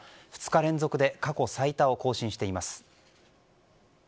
２日連続で過去最多を更新しています。